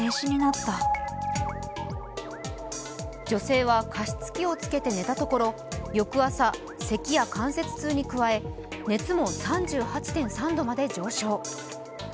女性は加湿器をつけて寝たところ翌朝、せきや関節痛に加え熱も３８．３度まで上昇。